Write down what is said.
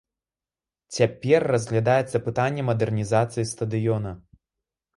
Цяпер разглядаецца пытанне мадэрнізацыі стадыёна.